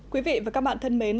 quý vị và các bạn thân mến